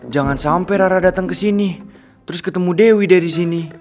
jangan sampai rara datang ke sini terus ketemu dewi dari sini